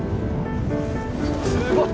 すごい！